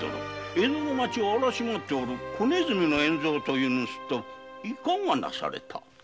江戸の町を荒らし回っておる小鼠の円蔵という盗っ人いかがなされた？